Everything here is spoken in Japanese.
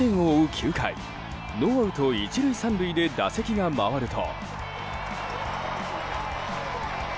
９回ノーアウト１塁３塁で打席が回ると。